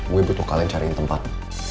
mungkin butuh kalian cariin tempat